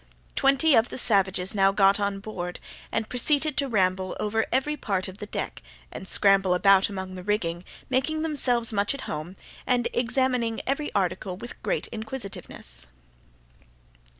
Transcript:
Twenty of the savages now got on board, and proceeded to ramble over every part of the deck, and scramble about among the rigging, making themselves much at home, and examining every article with great inquisitiveness.